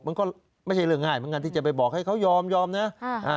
มันก็ไม่ใช่เรื่องง่ายเหมือนกันที่จะไปบอกให้เขายอมยอมนะ